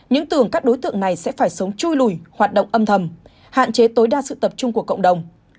những tường các đối tượng này sẽ phải sống chui lùi hoạt động âm thầm hạn chế tối đa sự tập trung của cộng đồng